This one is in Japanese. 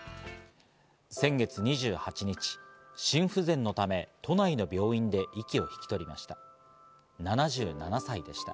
先月２８日、心不全のため都内の病院で息を引き取りました。